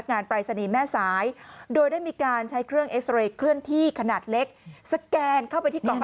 กระพริบสีแดงขึ้นมาเลยค่ะ